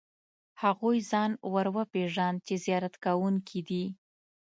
هغوی ځان ور وپېژاند چې زیارت کوونکي دي.